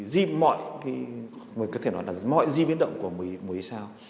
di mọi thì mình có thể nói là mọi di biến động của mối sao